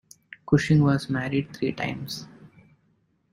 Cushing was married three times.